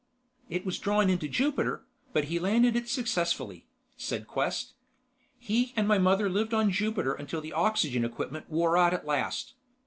"It was drawn into Jupiter, but he landed it successfully," said Quest. "He and my mother lived on Jupiter until the oxygen equipment wore out at last.